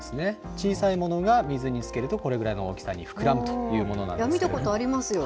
小さいものが水につけると、これぐらいの大きさに膨らむというも見たことありますよ。